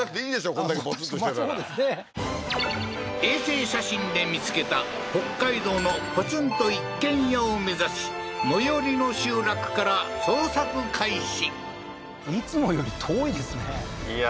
こんだけポツンとしてたら衛星写真で見つけた北海道のポツンと一軒家を目指し最寄りの集落から捜索開始